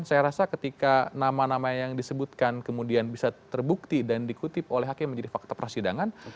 saya rasa ketika nama nama yang disebutkan kemudian bisa terbukti dan dikutip oleh hakim menjadi fakta persidangan